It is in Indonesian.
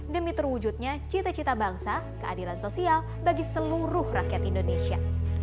demi terwujudnya cita cita bangsa keadilan sosial bagi seluruh rakyat indonesia